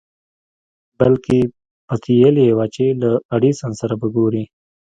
بلکې پتېيلې يې وه چې له ايډېسن سره به ګوري.